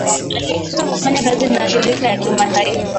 Alipata kufanya kazi na mshirika ya kimataifa